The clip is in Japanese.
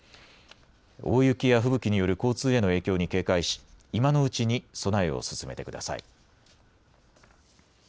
大雪や吹雪による交通への影響に警戒し今のうちに備えを進めてください。